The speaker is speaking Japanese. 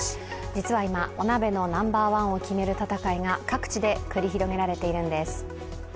実は今、お鍋のナンバーワンを決める戦いが各地で繰り広げられているんです。